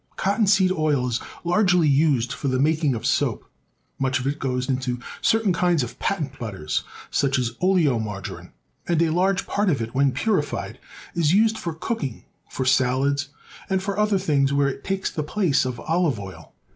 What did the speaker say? Cotton seed oil is largely used for the making of soap. Much of it goes into certain kinds of patent butters, such as oleomargarine, and a large part of it, when purified, is used for cooking, for salads, and for other things where it COTTON FACTORIES. II5 takes the place of olive oil.